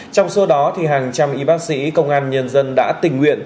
trong số đó hàng trăm y bác sĩ công an nhân dân đã tình nguyện